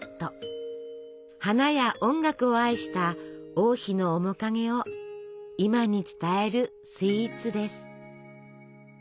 花や音楽を愛した王妃の面影を今に伝えるスイーツです。